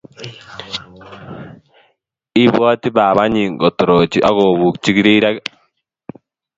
ibwati babanyi kotorochi ak kopukchi rirek